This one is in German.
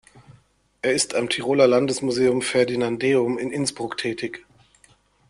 Er ist am Tiroler Landesmuseum Ferdinandeum in Innsbruck tätig.